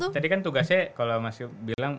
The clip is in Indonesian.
tadi kan tugasnya kalau mas yu bilang